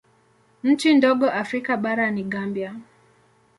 Nchi ndogo Afrika bara ni Gambia.